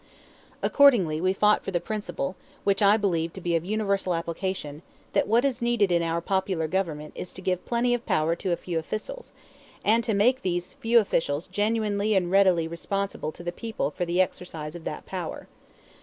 Accordingly we fought for the principle, which I believe to be of universal application, that what is needed in our popular government is to give plenty of power to a few officials, and to make these few officials genuinely and readily responsible to the people for the exercise of that power.